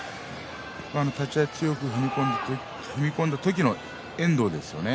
立ち合い強く踏み込んだ時の遠藤ですよね。